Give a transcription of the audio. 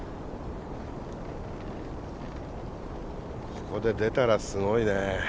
ここで出たらすごいね。